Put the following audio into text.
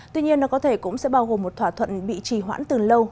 tuy nhiên nó có thể cũng sẽ bao gồm một thỏa thuận bị trì hoãn từ lâu